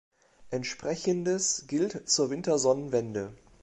Entsprechendes gilt zur Wintersonnenwende.